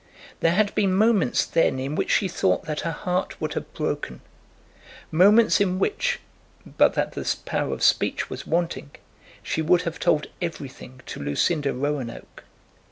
There had been moments then in which she thought that her heart would have broken, moments in which, but that the power of speech was wanting, she would have told everything to Lucinda Roanoke.